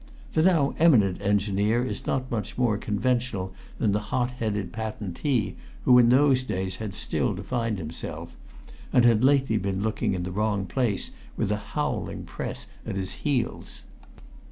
The now eminent engineer is not much more conventional than the hot headed patentee who in those days had still to find himself (and had lately been looking in the wrong place, with a howling Press at his heels).